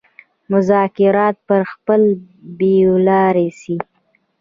مذاکرات پر مخ بېولای سي.